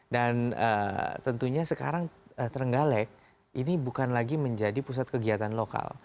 dan tentunya sekarang terenggalek ini bukan lagi menjadi pusat kegiatan lokal